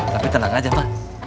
tapi tenang aja ma